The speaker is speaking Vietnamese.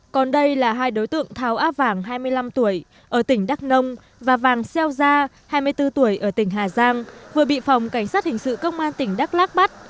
còn đây là hai đối tượng tháo á vàng hai mươi năm tuổi ở tỉnh đắk nông và vàng xeo gia hai mươi bốn tuổi ở tỉnh hà giang vừa bị phòng cảnh sát hình sự công an tỉnh đắk lắc bắt